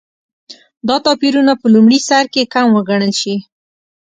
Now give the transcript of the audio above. دا توپیرونه په لومړي سرکې کم وګڼل شي.